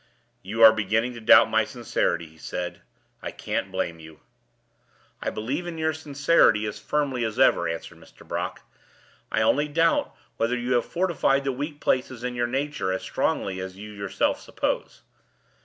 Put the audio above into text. "You are beginning to doubt my sincerity," he said. "I can't blame you." "I believe in your sincerity as firmly as ever," answered Mr. Brock. "I only doubt whether you have fortified the weak places in your nature as strongly as you yourself suppose.